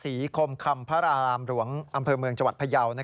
ส่วนที่วัดศรีคมคำพระอารามหลวงอำเภอเมืองจังหวัดพระยาว